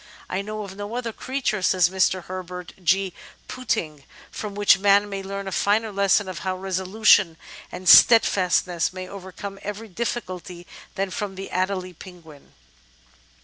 "I know of no other creature," says Mr. Herbert G. Pouting, "from which man may learn a finer lesson of how resolution and steadfastness may overcome every difficulty than from the Adelie Penguin."